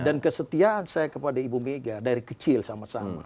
dan kesetiaan saya kepada ibu mega dari kecil sama sama